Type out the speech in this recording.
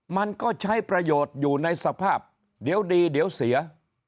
มันก็ใช้ประโยชน์อยู่ในสภาพเดี๋ยวดีเดี๋ยวเสีย